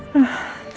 jam segini lagi